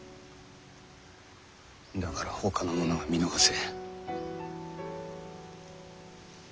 だからほかの者は見逃せ。